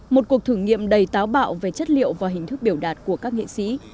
một cuộc thử nghiệm đầy táo bạo về chất liệu và hình thức biểu đạt của các nghệ sĩ